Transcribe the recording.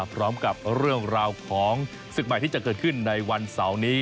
พร้อมกับเรื่องราวของศึกใหม่ที่จะเกิดขึ้นในวันเสาร์นี้